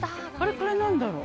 これなんだろう。